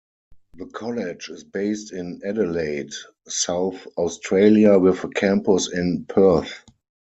The college is based in Adelaide, South Australia with a campus in Perth.